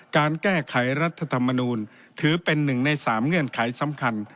การแก้ไขรัฐธรรมนูลถือเป็นหนึ่งใน๓เงื่อนไขสำคัญ